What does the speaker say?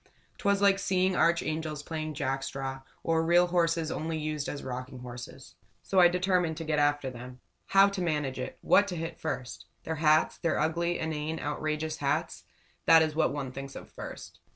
'Twas like seeing archangels playing jackstraws or real horses only used as rocking horses. So I determined to get after them. How to manage it! What to hit first! Their hats, their ugly, inane, outrageous hats that is what one thinks of first.